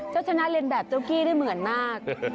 เจ้าชนะเรียนแบบเจ้าขี้ได้เหมือนมาก